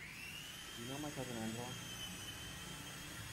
You know my cousin Angela?